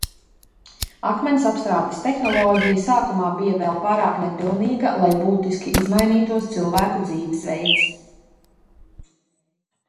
Akmens apstrādes tehnoloģija sākumā bija vēl pārāk nepilnīga, lai būtiski izmainītos cilvēku dzīves veids.